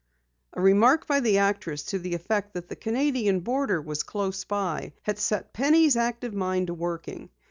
A remark by the actress to the effect that the Canadian border was close by had set Penny's active mind to working.